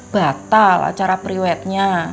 batal acara priwetnya